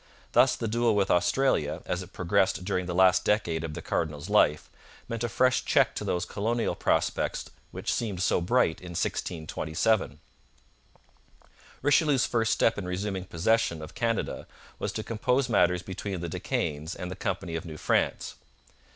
Thus the duel with Austria, as it progressed during the last decade of the cardinal's life, meant a fresh check to those colonial prospects which seemed so bright in 1627. Richelieu's first step in resuming possession of Canada was to compose matters between the De Caens and the Company of New France.